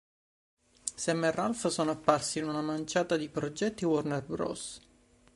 Sam e Ralph sono apparsi in una manciata di progetti Warner Bros.